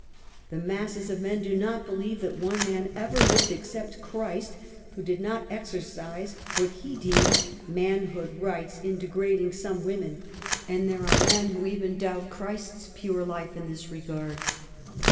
The masses of men do not believe that one man ever lived, except Christ, who did not exercise what he deemed "manhood rights in degrading some woman," and there are men who even doubt Christ's pure life in this regard.